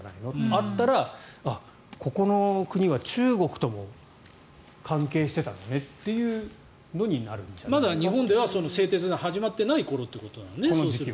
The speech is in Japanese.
あったら、ここの国は中国とも関係してたんだねというのにまだ日本では製鉄が始まっていない頃ということなのね。